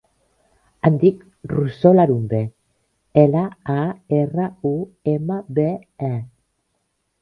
Em dic Rosó Larumbe: ela, a, erra, u, ema, be, e.